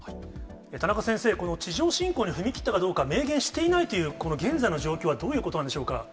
田中先生、この地上侵攻に踏み切ったかどうか、明言していないという、この現在の状況はどういうことなんでしょうか。